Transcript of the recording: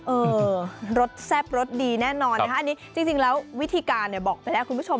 เออรสแซ่บรสดีแน่นอนนะคะอันนี้จริงแล้ววิธีการเนี่ยบอกไปแล้วคุณผู้ชม